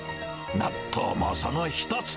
納豆もその一つ。